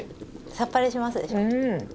さっぱりしますでしょう？